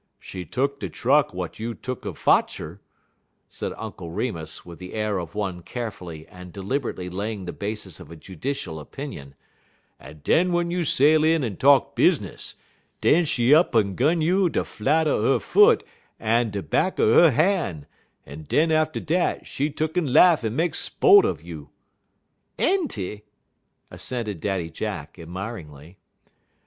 "She tuck de truck w'at you tuck'n fotch 'er," said Uncle Remus, with the air of one carefully and deliberately laying the basis of a judicial opinion, "en den w'en you sail in en talk bizness, den she up en gun you de flat un 'er foot en de back un 'er han', en den, atter dat, she tuck'n laff en make spote un you." "Enty!" assented Daddy Jack, admiringly.